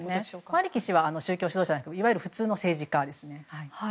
マリキ氏は宗教指導者ではなくいわゆる、普通の政治家ですね。